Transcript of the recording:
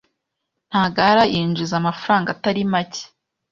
Ntagara yinjiza amafaranga atari make.